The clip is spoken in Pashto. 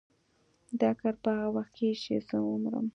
دا کار به هغه وخت کېږي چې زه ومرم.